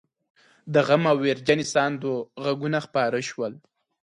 د غم او ويرجنې ساندو غږونه خپاره شول.